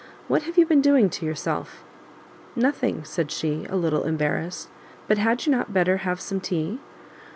What have you been doing to yourself?" "Nothing;" said she, a little embarrassed; "but had you not better have some tea?"